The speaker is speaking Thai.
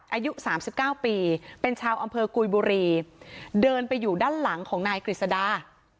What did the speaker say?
อายุสามสิบเก้าปีเป็นชาวอำเภอกุยบุรีเดินไปอยู่ด้านหลังของนายกฤษดา